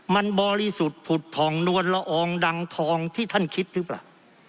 มันบริสุทธิ์ผุดผ่องนวลละอองดังทองที่ท่านคิดหรือเปล่า